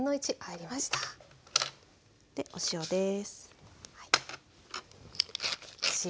でお塩です。